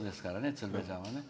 鶴瓶ちゃんはね。